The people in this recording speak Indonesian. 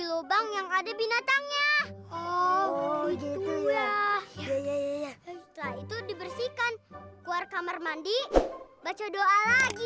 lubang yang ada binatangnya oh gitu ya ya ya ya itu dibersihkan keluar kamar mandi baca doa lagi